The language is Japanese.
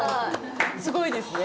すごいですね。